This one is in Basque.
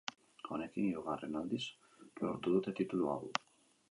Honekin, hirugarren aldiz lortu dute titulu hau.